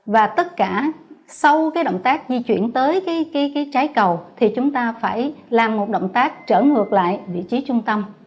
và tất cả sau cái động tác di chuyển tới trái cầu thì chúng ta phải làm một động tác trở ngược lại vị trí trung tâm